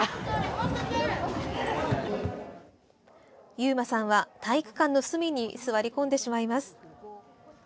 勇馬さんは体育館の隅に座り込んでしまいます。